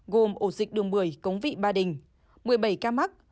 gồm ổ dịch đường một mươi cống vị ba đình một mươi bảy ca mắc